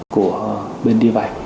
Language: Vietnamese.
của bên đi vay